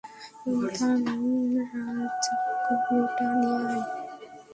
থানরাজ, চাকুটা নিয়ে আয়।